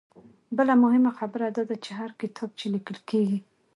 بله مهمه خبره دا ده چې هر کتاب چې ليکل کيږي